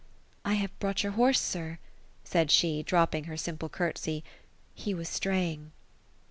'' I have brought you your horse, sir ;" said she, dropping her simple curtsey. ^ He was straying."